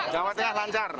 jawa tengah lancar